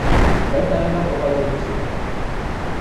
Bertan hainbat jokalari hil ziren.